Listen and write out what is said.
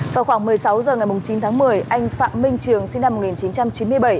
vào khoảng một mươi sáu h ngày chín tháng một mươi anh phạm minh trường sinh năm một nghìn chín trăm chín mươi bảy